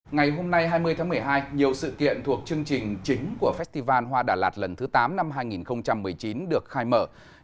ngày hôm nay hai mươi tháng một mươi hai nhiều sự kiện thuộc chương trình chính của festival hoa đà lạt lần thứ tám năm hai nghìn một mươi chín được khai mở